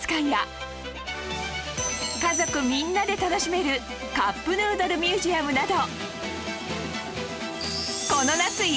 家族みんなで楽しめるカップヌードルミュージアムなど